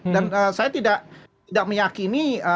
dan saya tidak meyakini